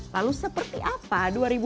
lalu seperti apa dua ribu dua puluh